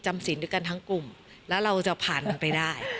สินด้วยกันทั้งกลุ่มแล้วเราจะผ่านมันไปได้